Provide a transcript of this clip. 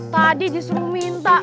tadi disuruh minta